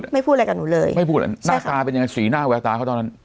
พูดอะไรกับหนูเลยไม่พูดอะไรหน้าตาเป็นยังไงสีหน้าแววตาเขาตอนนั้น